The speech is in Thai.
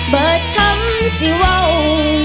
เบิดคำสิโว้ว